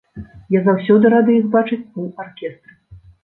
Я заўсёды рады іх бачыць у аркестры.